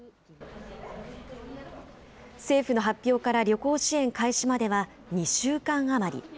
政府の発表から旅行支援開始までは２週間余り。